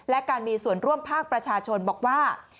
และการมีส่วนร่วมภาคประชาชนบอกว่า